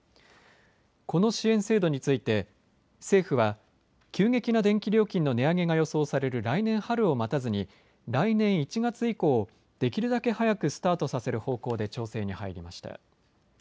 この支援制度について政府は急激な電気料金の値上げが予想される来年春を待たずに来年１月以降、できるだけ早くスタートさせる方向で調整に入りました。